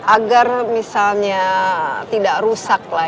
agar misalnya tidak rusak lah